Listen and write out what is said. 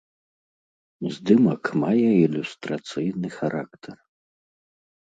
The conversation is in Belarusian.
Здымак мае ілюстрацыйны характар.